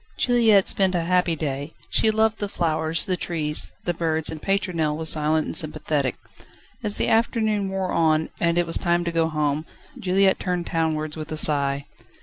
Juliette spent a happy day; she loved the flowers, the trees, the birds, and Pétronelle was silent and sympathetic. As the afternoon wore on, and it was time to go home, Juliette turned townwards with a sigh.